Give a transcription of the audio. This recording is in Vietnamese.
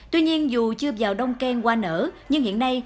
tuy nhiên dù chưa vào đông khen hoa nở nhưng hiện nay